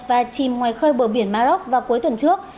và chìm ngoài khơi bờ biển maroc vào cuối tuần trước